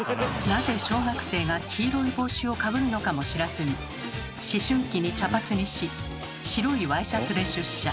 なぜ小学生が黄色い帽子をかぶるのかも知らずに思春期に茶髪にし白いワイシャツで出社。